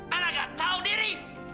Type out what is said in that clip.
anak anak tahu diri